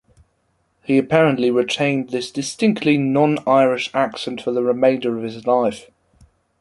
He apparently retained this distinctively non-Irish accent for the remainder of his life.